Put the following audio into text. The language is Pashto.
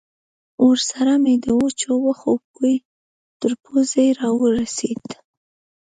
ورسره مې د وچو وښو بوی تر پوزې را ورسېد.